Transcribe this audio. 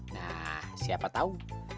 nah siapa tau